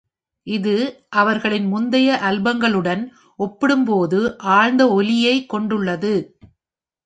இது அவர்களின் முந்தைய ஆல்பங்களுடன் ஒப்பிடும்போது ஆழ்ந்த ஒலியைக் கொண்டுள்ளது.